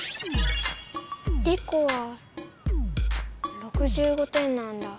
リコは６５点なんだ。